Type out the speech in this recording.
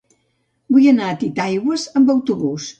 Vull anar a Titaigües amb autobús.